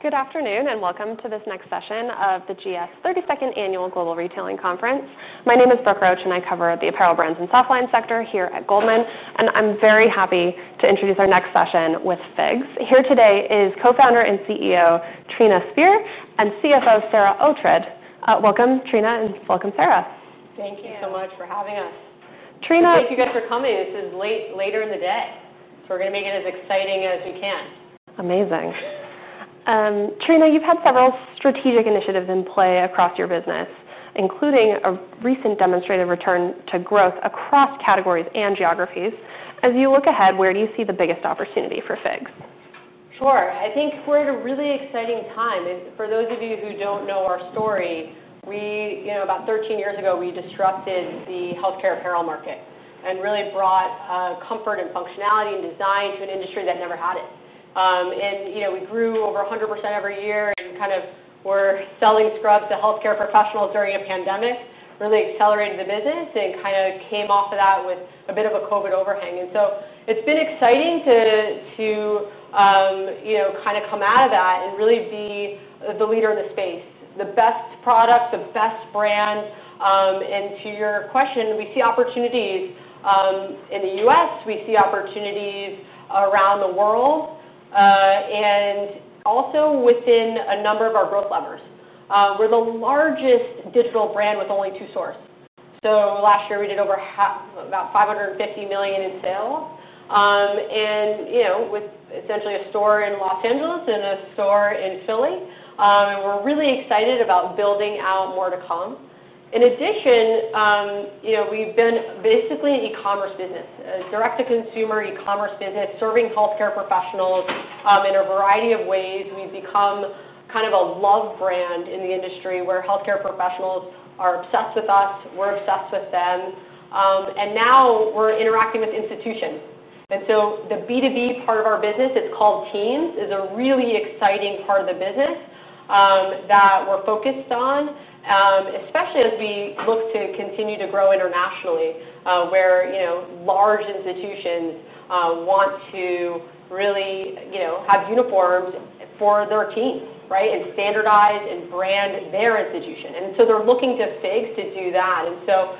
Good afternoon, and welcome to this next session of the GS thirty second Annual Global Retailing Conference. My name is Brooke Roche, and I cover the apparel brands and soft line sector here at Goldman. And I'm very happy to introduce our next session with FIGs. Here today is Co Founder and CEO, Trina Spear and CFO, Sarah Uhltrud. Welcome, Trina, and welcome, Sarah. Thank you so much for having us. Thank you guys for coming. This is later in the day. So we're going make it as exciting as we can. Amazing. Trina, you've had several strategic initiatives in play across your business, including a recent demonstrated return to growth across categories and geographies. As you look ahead, where do you see the biggest opportunity for Figs? Sure. I think we're in a really exciting time. For those of you who don't know our story, we about thirteen years ago, we disrupted the health care apparel market and really brought comfort and functionality and design to an industry that never had it. And we grew over 100% every year and kind of we're selling scrubs to healthcare professionals during a pandemic, really accelerated the business and kind of came off of that with a bit of a COVID overhang. And so it's been exciting to kind of come out of that and really be the leader in the space, the best products, the best brands. And to your question, we see opportunities in The U. S, we see opportunities around the world and also within a number of our growth levers. We're the largest digital brand with only two stores. So last year, we did over about $550,000,000 in sales. And with essentially a store in Los Angeles and a store in Philly. And we're really excited about building out more to come. In addition, we've been basically an e commerce business, direct to consumer e commerce business, serving health care professionals in a variety of ways. We've become kind of a love brand in the industry where health care professionals are obsessed with us, we're obsessed with them. And now we're interacting with institutions. And so the B2B part of our business, it's called Teams, is a really exciting part of the business that we're focused on, especially as we look to continue to grow internationally, where large institutions want to really have uniforms for their team, right, and standardize and brand their institution. And so they're looking to fix to do that. And so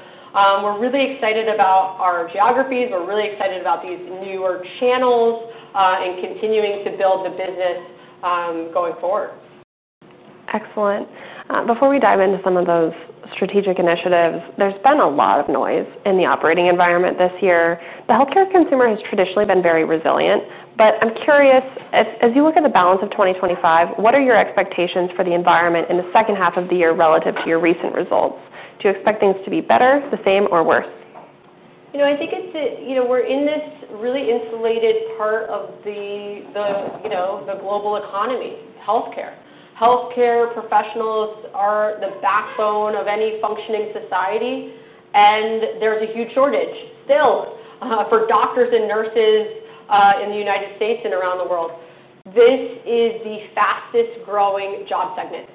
we're really excited about our geographies. We're really excited about these newer channels and continuing to build the business going forward. Excellent. Before we dive into some of those strategic initiatives, there's been a lot of noise in the operating environment this year. The health care consumer has traditionally been very resilient. But I'm curious, as you look at the balance of 2025, what are your expectations for the environment in the second half of the year relative to your recent results? Do you expect things to be better, the same or worse? I think it's we're in this really insulated part of the global economy, health care. Health care professionals are the backbone of any functioning society, and there's a huge shortage still for doctors and nurses in The United States and around the world. This is the fastest growing job segment.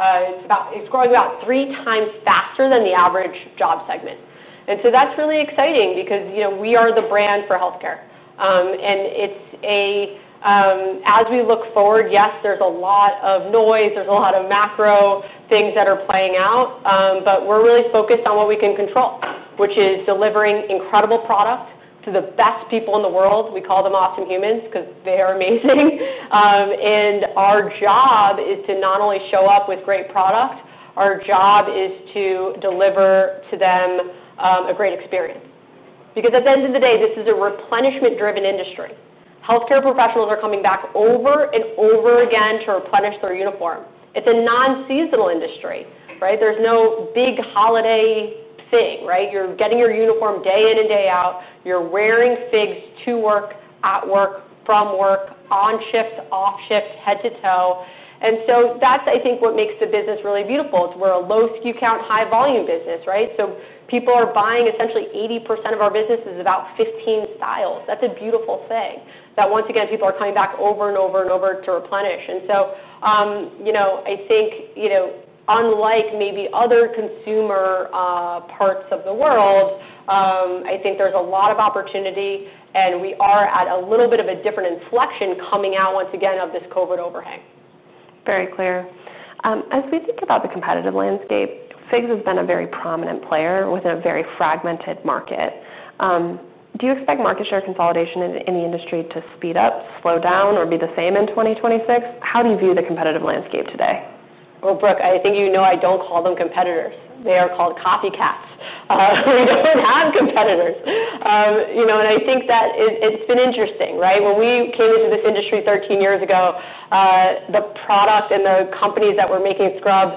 It's growing about 3x faster than the average job segment. And so that's really exciting because we are the brand for health care. And it's a as we look forward, yes, there's a lot of noise. There's a lot of macro things that are playing out. But we're really focused on what we can control, which is delivering incredible product to the best people in the world. We call them awesome humans because they are amazing. And our job is to not only show up with great product, our job is to deliver to them a great experience. Because at the end of the day, this is a replenishment driven industry. Health care professionals are coming back over and over again to replenish their uniform. It's a nonseasonal industry, right? There's no big holiday thing, right? You're getting your uniform day in and day out. You're wearing figs to work, at work, from work, on shift, off shift, head to toe. And so that's, I think, what makes the business really beautiful. We're a low SKU count, high volume business, right? So people are buying essentially 80% of our business is about 15 styles. That's a beautiful thing that once again, people are coming back over and over and over to replenish. And I think unlike maybe other consumer parts of the world, I think there's a lot of opportunity and we are at a little bit of a different inflection coming out once again of this COVID overhang. Very clear. As we think about the competitive landscape, FIGS has been a very prominent player within a very fragmented market. Do you expect market share consolidation in the industry to speed up, slow down or be the same in 2026? How do you view the competitive landscape today? Well, Brooke, think you know I don't call them competitors. They are called copycats. We don't have competitors. And I think that it's been interesting, right? When we came into this industry thirteen years ago, the product and the companies that were making scrubs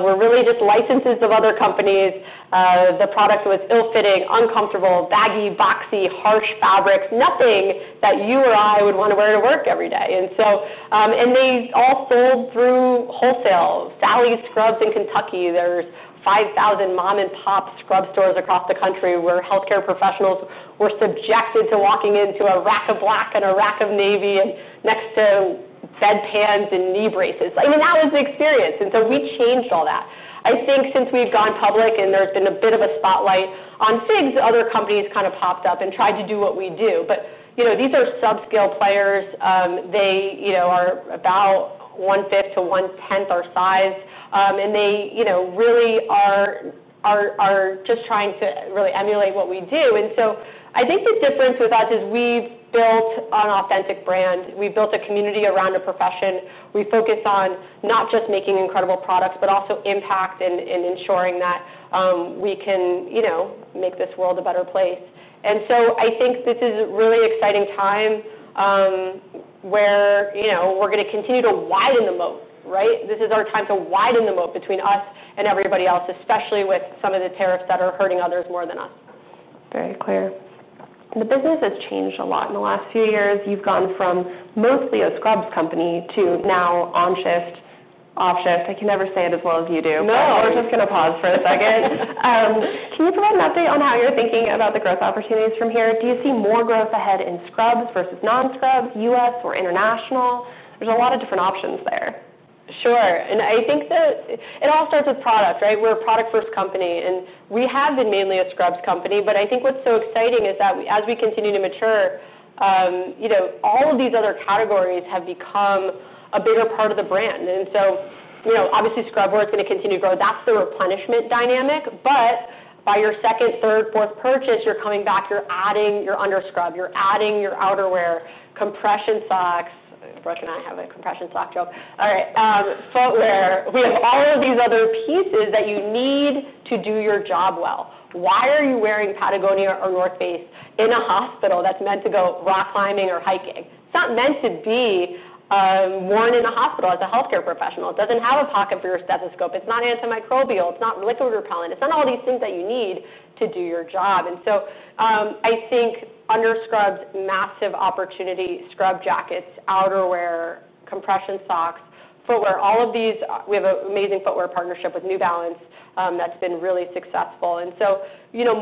were really just licenses of other companies. The product was ill fitting, uncomfortable, baggy, harsh fabrics, nothing that you or I would want to wear to work every day. And so and they all sold through wholesale, Sally's Scrubs in Kentucky. There's 5,000 mom and pop scrub stores across the country where health care professionals were subjected to walking into a rack of black and a rack of navy and next to bedpans and knee braces. I mean that was the experience. And so we changed all that. I think since we've gone public and there's been a bit of a spotlight on things, other companies kind of popped up and tried to do what we do. But these are subscale players. They are about onefive to oneten our size. And they really are just trying to really emulate what we do. And so I think the difference with us is we've built an authentic brand. We've built a community around a profession. We focus on not just making incredible products, but also impact and ensuring that we can make this world a better place. And so I think this is a really exciting time where we're going to continue to widen the moat, right? This is our time to widen the moat between us and everybody else, especially with some of the tariffs that are hurting others more than us. Very clear. The business has changed a lot in the last few years. You've gone from mostly a scrubs company to now on shift, Offshift. I can never say it as well as you do. No. Was just going to pause for a second. Can you provide an update on how you're thinking about the growth opportunities from here? Do you see more growth ahead in scrubs versus non scrubs, U. S. Or international? There's a lot of different options there. Sure. And I think that it all starts with product, right? We're a product first company. And we have been mainly a Scrubs company. But I think what's so exciting is that as we continue to mature, all of these other categories have become a bigger part of the brand. And so obviously, scrubwear is going to continue to grow. That's the replenishment dynamic. But by your second, third, fourth purchase, you're coming back, you're adding your underscrub, you're adding your outerwear, compression socks Brooke and I have a compression sock joke. All right. Footwear. We have all of these other pieces that you need to do your job well. Why are you wearing Patagonia or North Face in a hospital that's meant to go rock climbing or hiking? It's not meant to be worn in a hospital as a health care professional. It doesn't have a pocket for your stethoscope. It's not antimicrobial. It's not liquid repellent. It's not all these things that you need to do your job. And so I think under scrubs, massive opportunity, scrub jackets, outerwear, compression socks, footwear, all of these we have an amazing footwear partnership with New Balance that's been really successful. And so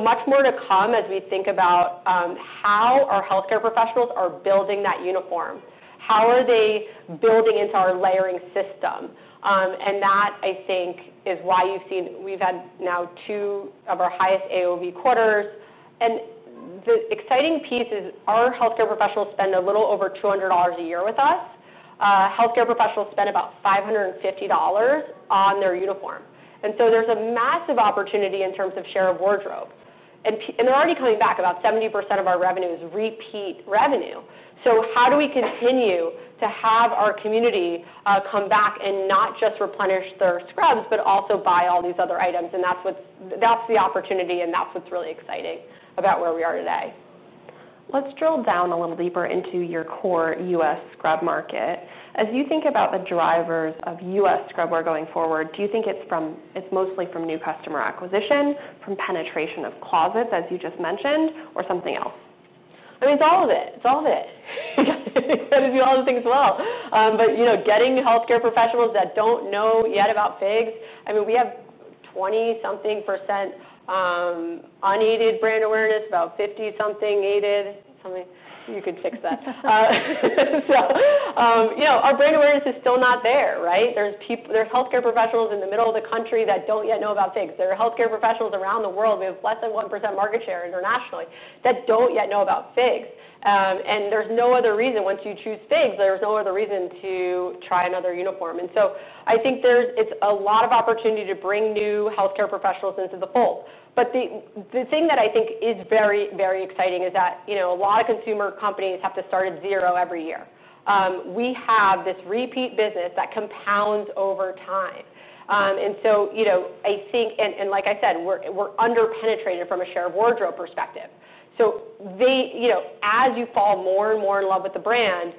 much more to come as we think about how our health care professionals are building that uniform. How are they building into our layering system? And that, I think, is why you've seen we've had now two of our highest AOV quarters. And the exciting piece is our health care professionals spend a little over $200 a year with us. Health care professionals spend about $550 on their uniform. And so there's a massive opportunity in terms of share of wardrobe. And they're already coming back. About 70% of our revenue is repeat revenue. So how do we continue to have our community come back and not just replenish their scrubs, but also buy all these other items? And that's the opportunity, and that's what's really exciting about where we are today. Let's drill down a little deeper into your core US scrub market. As you think about the drivers of US scrubwear going forward, do you think it's mostly from new customer acquisition, from penetration of closets, as you just mentioned, or something else? I mean, it's all of it. It's all of it. We all the things well. But getting health care professionals that don't know yet about figs, I mean, we have 20 something percent unaided brand awareness, about 50 something aided. You could fix that. Our brand awareness is still not there, right? There's health care professionals in the middle of the country that don't yet know about figs. There are health care professionals around the world with less than 1% market share internationally that don't yet know about Figs. And there's no other reason, once you choose Figs, there's no other reason to try another uniform. And so I think there's a lot of opportunity to bring new health care professionals into the fold. But the thing that I think is very, very exciting is that a lot of consumer companies have to start at zero every year. We have this repeat business that compounds over time. And so I think and like I said, we're underpenetrated from a shared wardrobe perspective. So as you fall more and more in love with the brand,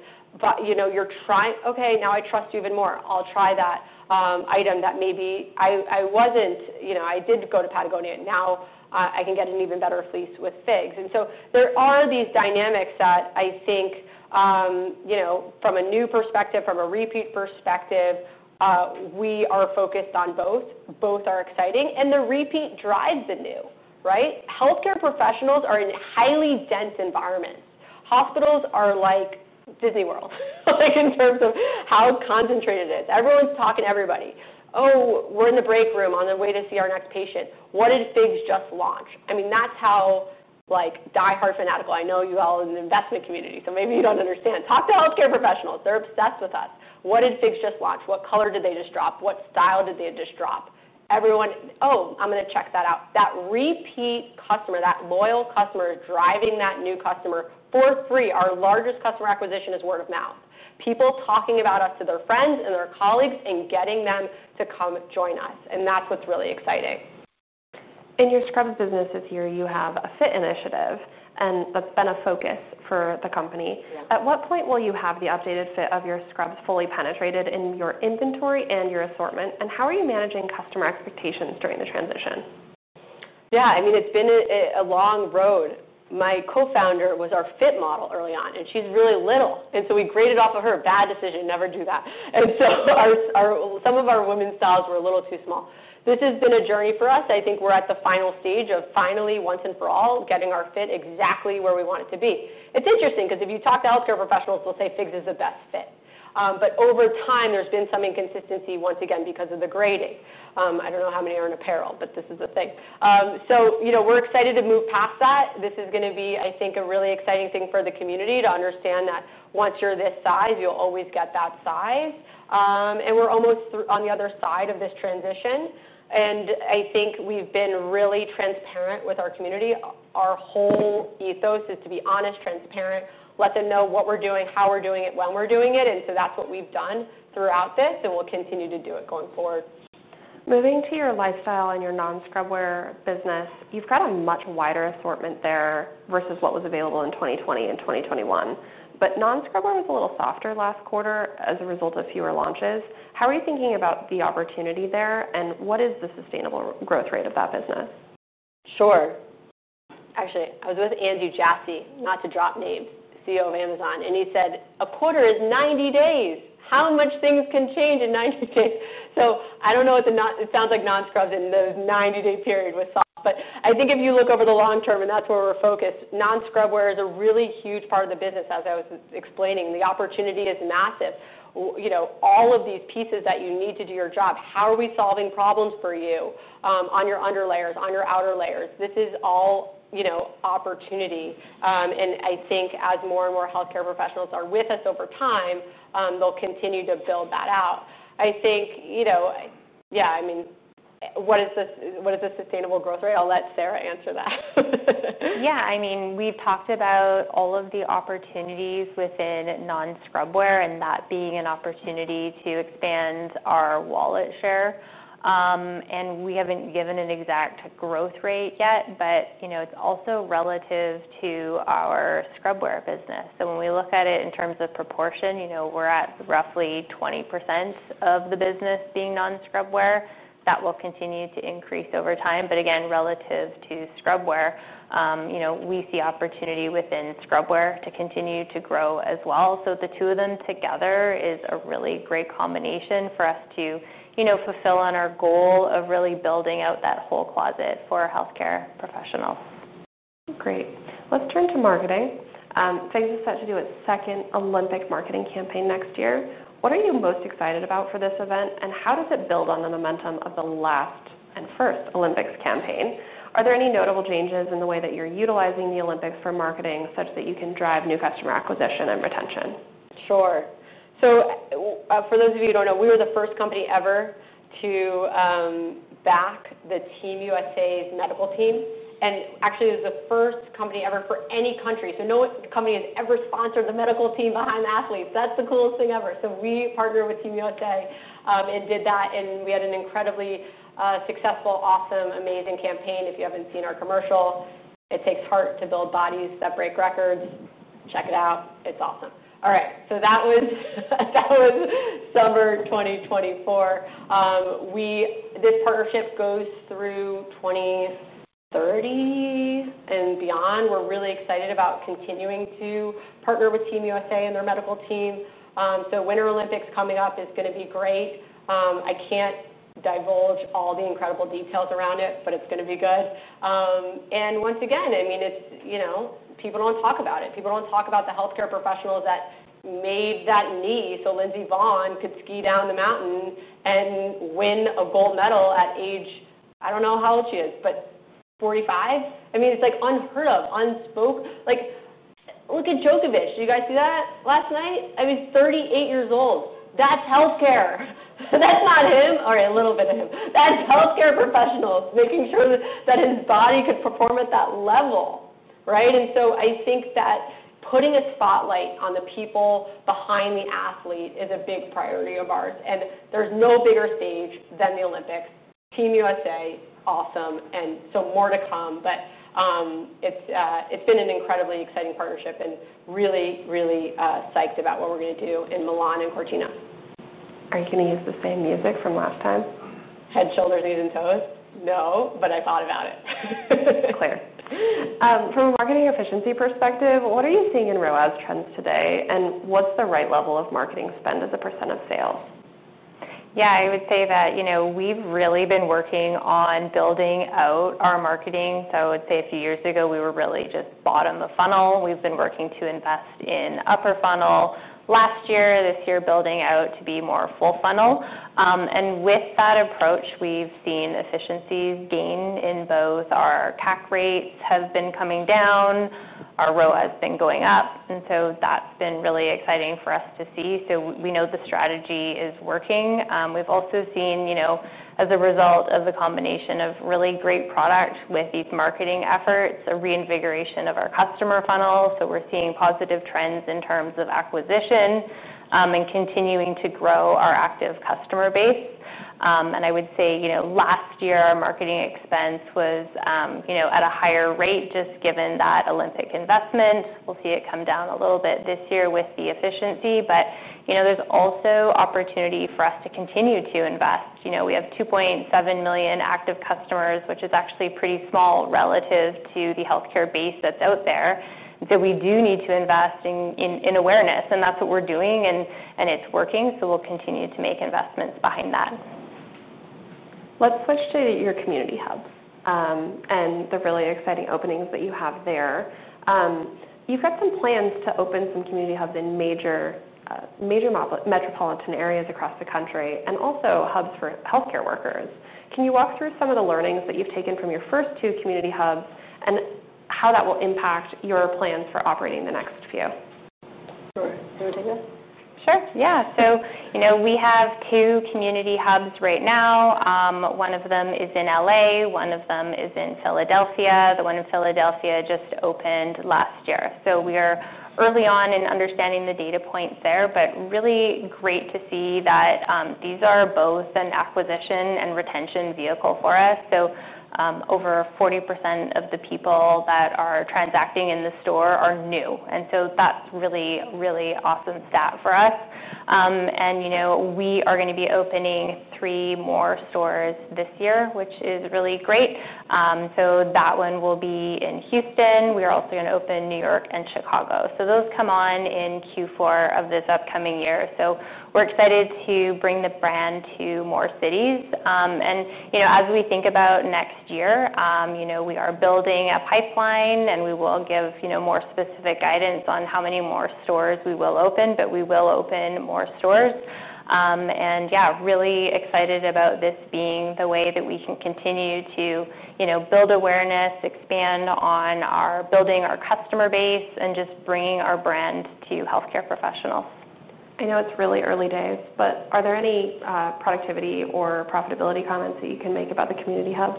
you're trying okay, now I trust you even more. I'll try that item that maybe I wasn't you know I did go to Patagonia, now I can get an even better fleece with figs. And so there are these dynamics that I think you know from a new perspective, from a repeat perspective, we are focused on both. Both are exciting. And the repeat drives the new. Health care professionals are in highly dense environments. Hospitals are like Disney World in terms of how concentrated it is. Everyone's talking to everybody. Oh, we're in the break room on the way to see our next patient. What did just launch? I mean that's how die hard fanatical, I know you all in the investment community, so maybe you don't understand. Talk to health care professionals, they're obsessed with us. What did Fix just launch? What color did they just drop? What style did they just drop? Everyone oh, I'm going to check that out. That repeat customer, that loyal customer driving that new customer for free, our largest customer acquisition is word-of-mouth. People talking about us to their friends and their colleagues and getting them to come join us. And that's what's really exciting. In your scrubs business this year, you have a fit initiative, and that's been a focus for the company. At what point will you have the updated fit of your scrubs fully penetrated in your inventory and your assortment? And how are you managing customer expectations during the transition? Yeah, I mean it's been a long road. My co founder was our fit model early on. And she's really little. And so we graded off of her. Bad decision, never do that. And so some of our women's styles were a little too small. This has been a journey for us. I think we're at the final stage of finally, once and for all, getting our fit exactly where we want it to be. It's interesting because if you talk to health care professionals, they'll say FIGs is the best fit. But over time there's been some inconsistency once again because of the grading. I don't know how many are in apparel, but this is the thing. So we're excited to move past that. This is going to be I think, a really exciting thing for the community to understand that once you're this size, you'll always get that size. And we're almost on the other side of this transition. And I think we've been really transparent with our community. Our whole ethos is to be honest, transparent, let them know what we're doing, how we're doing it, when we're doing it. And so that's what we've done throughout this, and we'll continue to do it going forward. Moving to your lifestyle and your non scrubware business. You've got a much wider assortment there versus what was available in 2020 and 2021. But non scrubber was a little softer last quarter as a result of fewer launches. How are you thinking about the opportunity there? And what is the sustainable growth rate of that business? Sure. Actually, I was with Andrew Jassy, not to drop names, CEO of Amazon. And he said, a quarter is ninety days. How much things can change in ninety days? So I don't know. It sounds like non scrubs in the ninety day period with soft. But I think if you look over the long term, and that's where we're focused, non scrub wear is a really huge part of the business as I was explaining. The opportunity is massive. All of these pieces that you need to do your job, how are we solving problems for you on your under layers, on your outer layers? This is all opportunity. And I think as more and more health care professionals are with us over time, they'll continue to build that out. I think, yeah, I mean, what is the sustainable growth rate? I'll let Sarah answer that. Yeah, I mean, we've talked about all of the opportunities within non scrubware and that being an opportunity to expand our wallet share. And we haven't given an exact growth rate yet, but it's also relative to our Scrubware business. So when we look at it in terms of proportion, we're at roughly 20% of the business being non Scrubware. That will continue to increase over time. But again relative to scrub wear, we see opportunity within scrub wear to continue to grow as well. So the two of them together is a really great combination for us to fulfill on our goal of really building out that whole closet for health care professionals. Great. Let's turn to marketing. Faces set to do its second Olympic marketing campaign next year. What are you most excited about for this event? And how does it build on the momentum of the last and first Olympics campaign? Are there any notable changes in the way that you're utilizing the Olympics for marketing such that you can drive new customer acquisition and retention? Sure. So for those of you who don't know, we were the first company ever to back the Team USA's medical team. And actually, was the first company ever for any country. So no company has ever sponsored the medical team behind the athletes. That's the coolest thing ever. So we partnered with Team USA and did that, and we had an incredibly successful, awesome, amazing campaign. If you haven't seen our commercial, it takes heart to build bodies that break records. Check it out. It's awesome. All right. So that was summer twenty twenty four. We this partnership goes through 2030 and beyond. We're really excited about continuing to partner with Team USA and their medical team. So Winter Olympics coming up is going to be great. I can't divulge all the incredible details around it, but it's going to be good. And once again, I mean, it's people don't talk about it. People don't talk about the health care professionals that made that knee so Lindsey Vonn could ski down the mountain and win a gold medal at age I don't know how old she is, but 45? I mean, it's like unheard of, unspoke. Look at Jokovich. Did you guys see that last night? I mean, 38 years old. That's health care. That's not him or a little bit of him. That's health care professionals, making sure that his body could perform at that level, right? And so I think that putting a spotlight on the people behind the athlete is a big priority of ours. And there's no bigger stage than the Olympics. Team USA, awesome. And so more to come. But it's been an incredibly exciting partnership and really, really psyched about what we're going to do in Milan and Cortina. Are you going use the same music from last time? Head, shoulders, knees and toes? No, but I thought about it. Clear. From a marketing efficiency perspective, what are you seeing in ROAS trends today? And what's the right level of marketing spend as a percent of sales? Yes. I would say that we've really been working on building out our marketing. So I would say a few years ago, we were really just bottom of funnel. We've been working to invest in upper funnel last year, this year building out to be more full funnel. And with that approach, we've seen efficiencies gain in both our CAC rates have been coming down, our ROAA has been going up. And so that's been really exciting for us to see. So we know the strategy is working. We've also seen as a result of the combination of really great product with these marketing efforts, a reinvigoration of our customer funnel. So we're seeing positive trends in terms of acquisition and continuing to grow our active customer base. And I would say last year our marketing expense was at a higher rate just given that Olympic investment. We'll see it come down a little bit this year with the efficiency. But there's also opportunity for us to continue to invest. We have 2,700,000 active customers, which is actually pretty small relative to the health care base that's out there. So we do need to invest in awareness, and that's what we're doing. And it's working, so we'll continue to make investments behind that. Let's switch to your community hubs and the really exciting openings that you have there. You've got some plans to open some community hubs in major metropolitan areas across the country and also hubs for health care workers. Can you walk through some of the learnings that you've taken from your first two community hubs and how that will impact your plans for operating the next few? Sure. Do want take that? Sure. Yes. So we have two community hubs One of them is in L. A. One of them is in Philadelphia. The one in Philadelphia just opened last year. So we are early on in understanding the data points there, but really great to see that these are both an acquisition and retention vehicle for us. So over 40% of the people that are transacting in the store are new. And so that's really, really awesome stat for us. And we are going to be opening three more stores this year, which is really great. So that one will be in Houston. We are also going to open in New York and Chicago. So those come on in Q4 of this upcoming year. So we're excited to bring the brand to more cities. And as we think about next year, we are building a pipeline, and we will give more specific guidance on how many more stores we will open, but we will open more stores. And yes, really excited about this being the way that we can continue to build awareness, expand on our building our customer base and just bringing our brand to health care professionals. I know it's really early days, but are there any productivity or profitability comments that you can make about the Community Hub?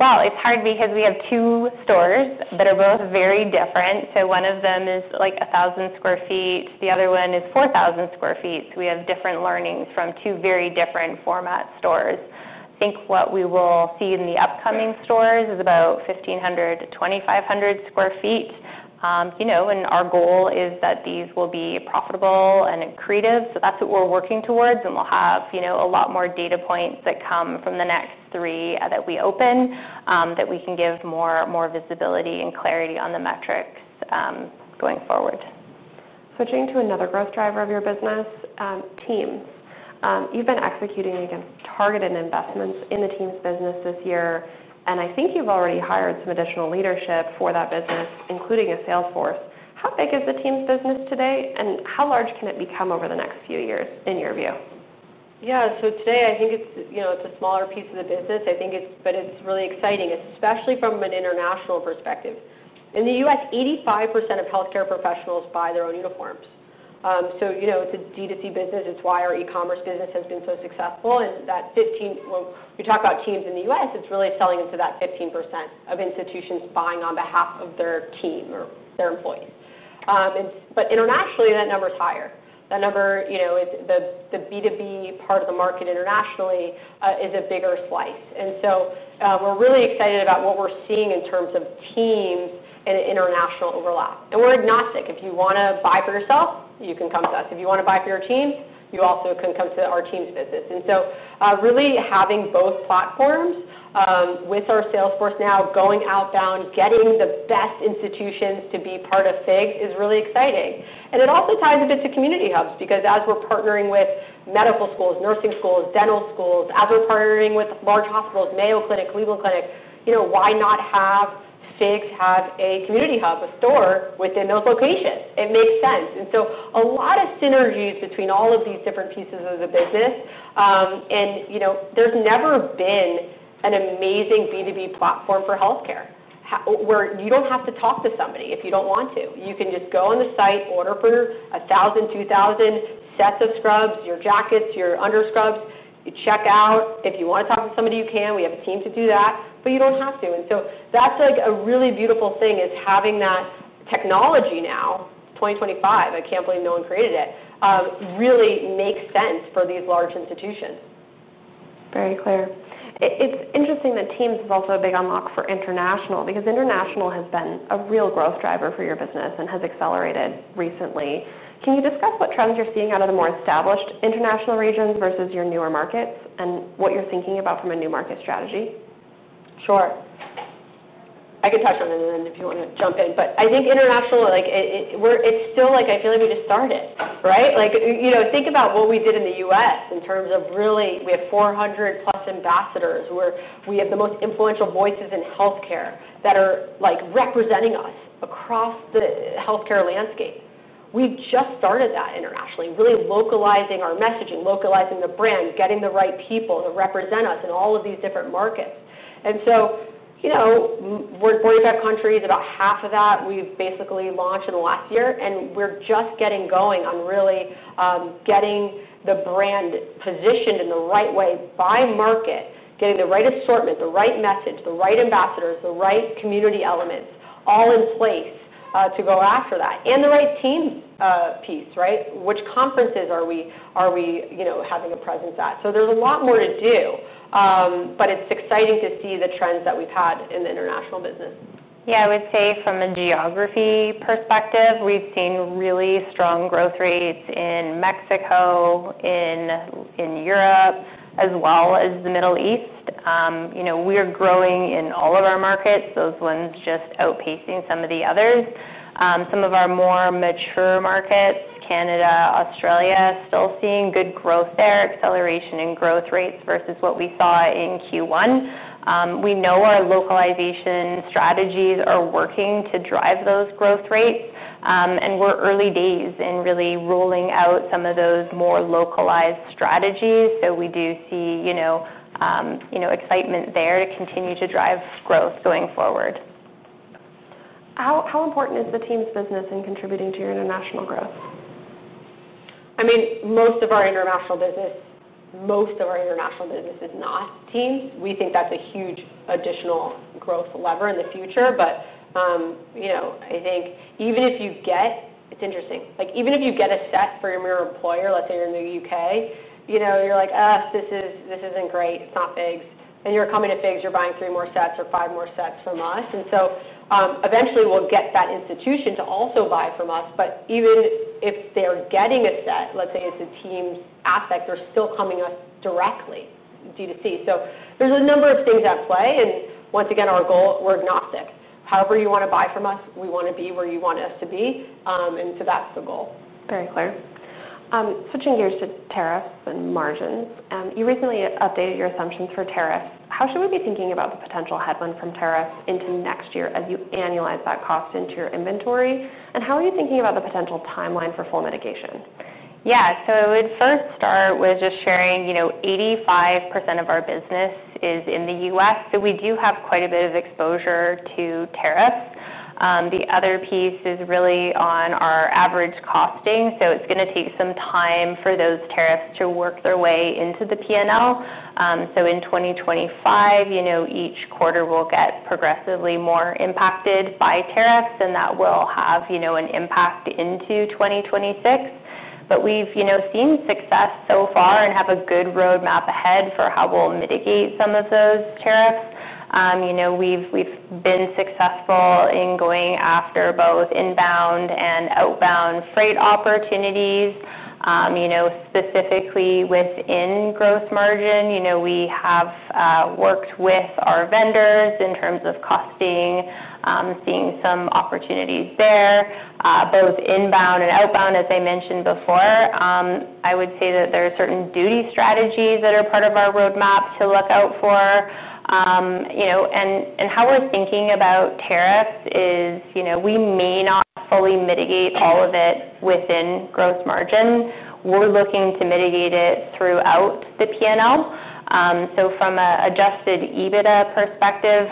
Well, it's hard because we have two stores that are both very different. So one of them is like 1,000 square feet, the other one is 4,000 square feet. So we have different learnings from two very different format stores. Think what we will see in the upcoming stores is about 1,500 to 2,500 square feet. And our goal is that these will be profitable and accretive. So that's what we're working towards, and we'll have a lot more data points that come from the next three that we open that we can give more visibility and clarity on the metrics going forward. Switching to another growth driver of your business, Teams. You've been executing against targeted investments in the Teams business this year, and I think you've already hired some additional leadership for that business, including a sales force. How big is the team's business today? And how large can it become over the next few years in your view? Yes. So today, I think it's a smaller piece of the business. I think it's but it's really exciting, especially from an international perspective. In The U. S, 85% of health care professionals buy their own uniforms. So it's a D2C business. It's why our e commerce business has been so successful. And that 15% well, we talk about teams in The U. S, it's really selling us to that 15% of institutions buying on behalf of their team or their employees. But internationally, that number is higher. That number the B2B part of the market internationally is a bigger slice. And so we're really excited about what we're seeing in terms of Teams and international overlap. And we're agnostic. If you want to buy for yourself, you can come to us. If you want to buy for your Teams, you also can come to our Teams business. And so really having both platforms with our sales force now going outbound, getting the best institutions to be part of Figs is really exciting. And it also ties a bit to community hubs because as we're partnering with medical schools, nursing schools, dental schools, as we're partnering with large hospitals, Mayo Clinic, Cleveland Clinic, why not have six have a community hub, a store within those locations? It makes sense. And so a lot of synergies between all of these different pieces of the business. And there's never been an amazing B2B platform for health care, where you don't have to talk to somebody if you don't want to. You can just go on the site, order for 1,000, 2,000 sets of scrubs, your jackets, your underscrubs, you check out. If you want to talk to somebody, can. We have a team to do that, but you don't have to. And so that's like a really beautiful thing is having that technology now, 2025, I can't believe no one created it, really makes sense for these large institutions. Very clear. It's interesting that Teams is also a big unlock for international because international has been a real growth driver for your business and has accelerated recently. Can you discuss what trends you're seeing out of the more established international regions versus your newer markets and what you're thinking about from a new market strategy? Sure. I can touch on it, and then if you want to jump in. But I think international, like, we're it's still like I feel like we just started, right? Like think about what we did in The U. S. In terms of really we have 400 plus ambassadors where we have the most influential voices in health care that are like representing us across the health care landscape. We just started that internationally, really localizing our messaging, localizing the brand, getting the right people to represent us in all of these different markets. And so we're in that country. It's about half of that we've basically launched in the last year, and we're just getting going on really getting the brand positioned in the right way by market, getting the right assortment, the right message, the right ambassadors, the right community elements all in place to go after that and the right team piece, right? Which conferences are we having a presence at? So there's a lot more to do. But it's exciting to see the trends that we've had in the international business. Yes. I would say from a geography perspective, we've seen really strong growth rates in Mexico, in Europe as well as The Middle East. We are growing in all of our markets, those ones just outpacing some of the others. Some of our more mature markets, Canada, Australia, still seeing good growth there, acceleration in growth rates versus what we saw in Q1. We know our localization strategies are working to drive those growth rates. And we're early days in really rolling out some of those more localized strategies. So we do see excitement there to continue to drive growth going forward. How important is the Teams business in contributing to your international growth? I mean, most of our international business is not Teams. We think that's a huge additional growth lever in the future. But I think even if you get it's interesting. Like even if you get a set for your employer, let's say, in The U. K, you're like, this isn't great. It's not big. And you're coming to bigs, you're buying three more sets or five more sets from us. And so eventually, we'll get that institution to also buy from us. But even if they're getting a set, let's say it's a team aspect, they're still coming to us directly, D2C. So there's a number of things at play. And once again, our goal, we're agnostic. However you want to buy from us, we want to be where you want us to be. And so that's the goal. Very clear. Switching gears to tariffs and margins. You recently updated your assumptions for tariffs. How should we be thinking about potential headwind from tariffs into next year as you annualize that cost into your inventory? And how are you thinking about the potential time line for full mitigation? Yes. So I would first start with just sharing 85% of our business is in The U. S, so we do have quite a bit of exposure to tariffs. The other piece is really on our average costing. So it's going to take some time for those tariffs to work their way into the P and L. So in 2025, each quarter will get progressively more impacted by tariffs, and that will have an impact into 2026. But we've seen success so far and have a good road map ahead for how we'll mitigate some of those tariffs. We've been successful in going after both inbound and outbound freight opportunities, Specifically within gross margin, we have worked with our vendors in terms of costing, seeing some opportunities there, both inbound and outbound, as I mentioned before. I would say that there are certain duty strategies that are part of our road map to look out for. And how we're thinking about tariffs is we may not fully mitigate all of it within gross margin. We're looking to mitigate it throughout the P and L. So from an adjusted EBITDA perspective,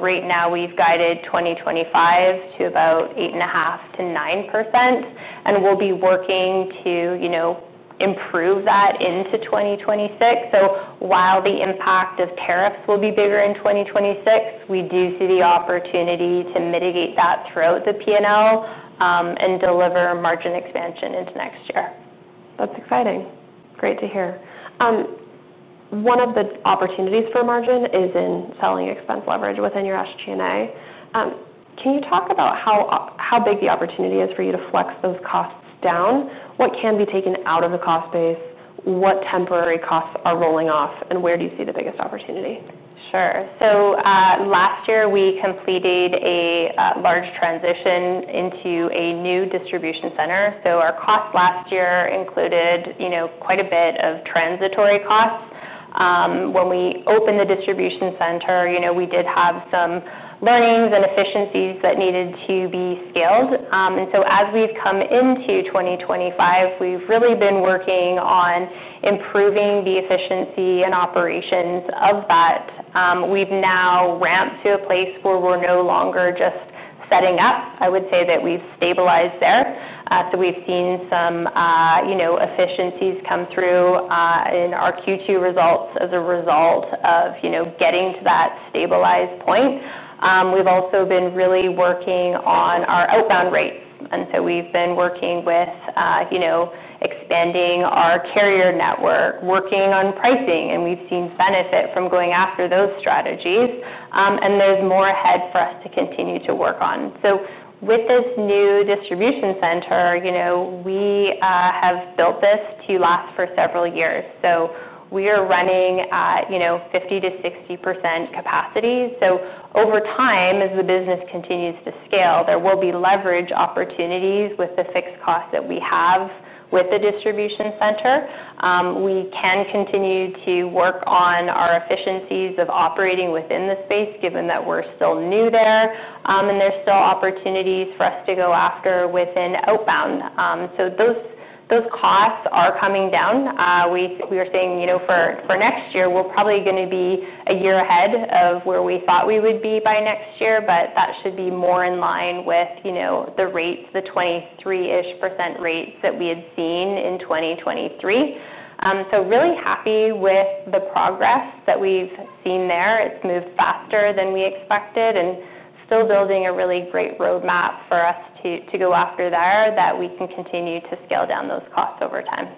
right now, we've guided 2025 to about 8.5% to 9%, and we'll be working to improve that into 2026. So while the impact of tariffs will be bigger in 2026, we do see the opportunity to mitigate that throughout the P and L and deliver margin expansion into next year. That's exciting. Great to hear. One of the opportunities for margin is in selling expense leverage within your SG and A. Can you talk about how big the opportunity is for you to flex those costs down? What can be taken out of the cost base? What temporary costs are rolling off? And where do you see the biggest opportunity? Sure. So last year, we completed a large transition into a new distribution center. So our cost last year included quite a bit of transitory costs. When we opened the distribution center, we did have some learnings and efficiencies that needed to be scaled. And so as we've come into 2025, we've really been working on improving the efficiency and operations of that. We've now ramped to a place where we're no longer just setting up. I would say that we've stabilized there. So we've seen some efficiencies come through in our Q2 results as a result of getting to that stabilized point. We've also been really working on our outbound rates. And so we've been working with expanding our carrier network, working on pricing, and we've seen benefit from going after those strategies. And there's more ahead for us to continue to work on. So with this new distribution center, we have built this to last for several years. So we are running at 50% to 60% capacity. So over time, as the business continues to scale, there will be leverage opportunities with the fixed costs that we have with the distribution center. We can continue to work on our efficiencies of operating within the space given that we're still new there. And there's still opportunities for us to go after within outbound. So those costs are coming down. We are seeing for next year, we're probably going to be a year ahead of where we thought we would be by next year, but that should be more in line with the rates, the 23 ish percent rates that we had seen in 2023. So really happy with the progress that we've seen there. It's moved faster than we expected and still building a really great road map for us to go after there that we can continue to scale down those costs over time.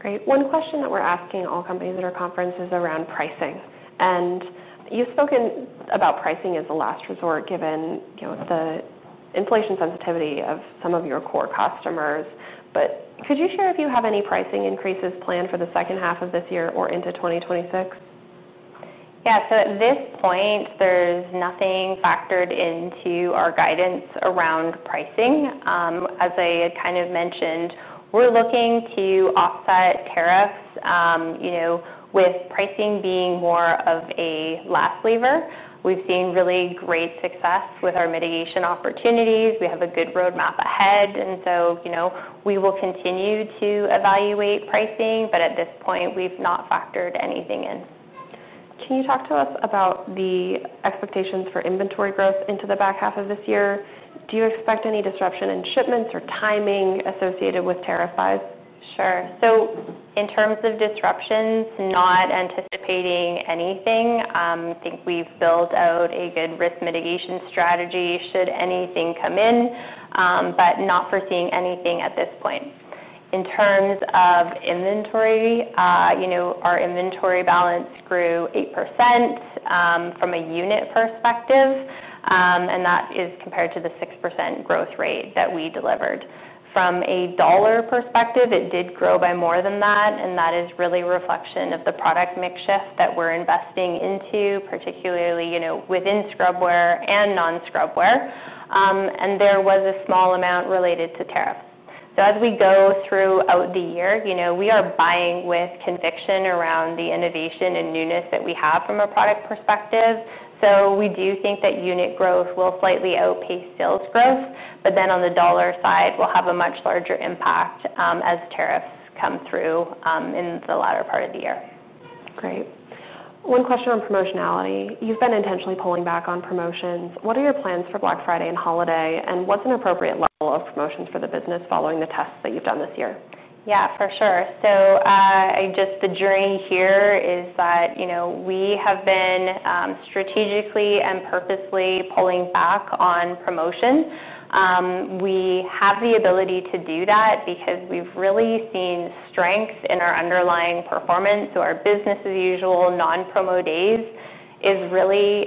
Great. One question that we're asking all companies at our conference is around pricing. And you've spoken about pricing as a last resort given the inflation sensitivity of some of your core customers. But could you share if you have any pricing increases planned for the second half of this year or into 2026? Yes. So at this point, there's nothing factored into our guidance around pricing. As I kind of mentioned, we're looking to offset tariffs, with pricing being more of a last lever. We've seen really great success with our mitigation opportunities. We have a good road map ahead. And so we will continue to evaluate pricing. But at this point, we've not factored anything in. Can you talk to us about the expectations for inventory growth into the back half of this year? Do you expect any disruption in shipments or timing associated with tariff size? Sure. So in terms of disruptions, not anticipating anything. I think we've built out a good risk mitigation strategy should anything come in, but not foreseeing anything at this point. In terms of inventory, our inventory balance grew 8% from a unit perspective, and that is compared to the 6% growth rate that we delivered. From a dollar perspective, it did grow by more than that, and that is really a reflection of the product mix shift that we're investing into, particularly within scrub wear and non scrub wear. And there was a small amount related to tariffs. So as we go throughout the year, we are buying with conviction around the innovation and newness that we have from a product perspective. So we do think that unit growth will slightly outpace sales growth. But then on the dollar side, we'll have a much larger impact, as tariffs come through, in the latter part of the year. Great. One question on promotionality. You've been intentionally pulling back on promotions. What are your plans for Black Friday and holiday? And what's an appropriate level of promotions for the business following the tests that you've done this year? Yes, for sure. So just the journey here is that we have been strategically and purposely pulling back on promotion. We have the ability to do that because we've really seen strength in our underlying performance. So our business as usual non promo days is really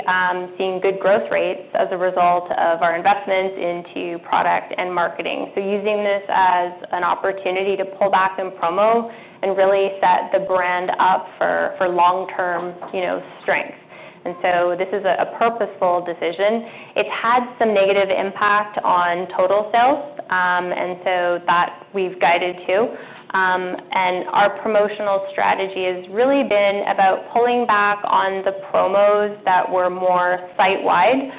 seeing good growth rates as a result of our investments into product and marketing. So using this as an opportunity to pull back in promo and really set the brand up for long term strength. And so this is a purposeful decision. It had some negative impact on total sales, and so that we've guided to. And our promotional strategy has really been about pulling back on the promos that were more site wide.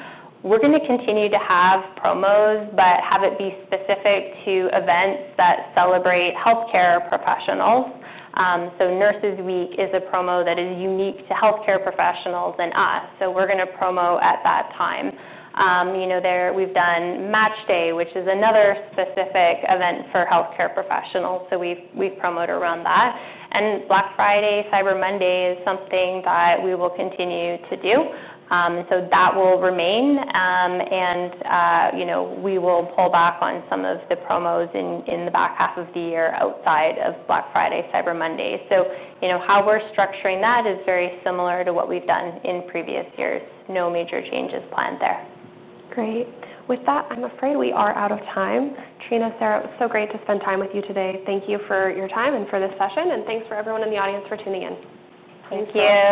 We're going to continue to have promos but have it be specific to events that celebrate health care professionals. So Nurses Week is a promo that is unique to health care professionals and us. So we're going to promo at that time. There we've done Match Day, which is another specific event for health care professionals. So we promote around that. And Black Friday, Cyber Monday is something that we will continue to do. So that will remain, and we will pull back on some of the promos in the back half of the year outside of Black Friday, Cyber Monday. So how we're structuring that is very similar to what we've done in previous years. No major changes planned there. Great. With that, I'm afraid we are out of time. Trina, Sarah, was so great to spend time with you today. Thank you for your time and for this session, and thanks for everyone in the audience for tuning in. Thank you. Thank you.